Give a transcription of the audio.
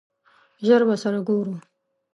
ژر به سره ګورو!